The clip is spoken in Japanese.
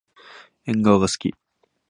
えんがわがすき。